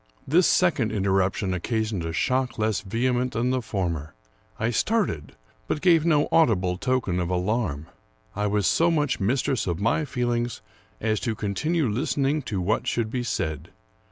This second interruption occasioned a shock less vehe ment than the former. I started, but gave no audible token of alarm. I was so much mistress of my feelings as to continue listening to what should be said.